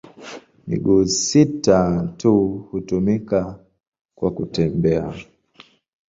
Miguu sita tu hutumika kwa kutembea.